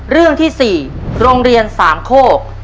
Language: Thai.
เรื่องที่๔โรงเรียนสามโคก